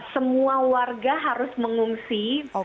semua warga harus mengungsi